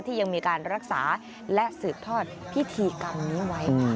ยังมีการรักษาและสืบทอดพิธีกรรมนี้ไว้